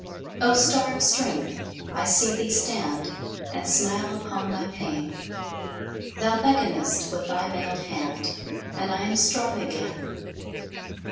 O star of strength! I see thee stand And smile upon my pain; Thou beckonest with thy mailed hand, And I am strong again.